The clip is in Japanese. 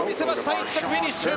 １着フィニッシュ。